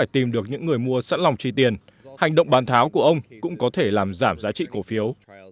trong khi tiền hành động bán tháo của ông cũng có thể làm giảm giá trị cổ phiếu